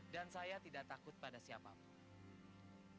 dan saya tidak takut pada siapapun